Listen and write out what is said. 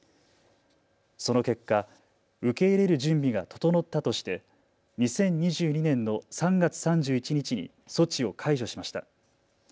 その結果、受け入れる準備が整ったとして２０２２年の３月３１日に措置を解除しました。